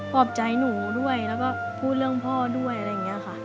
อบใจหนูด้วยแล้วก็พูดเรื่องพ่อด้วยอะไรอย่างนี้ค่ะ